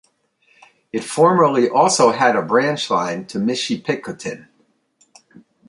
It formerly also had a branch line to Michipicoten.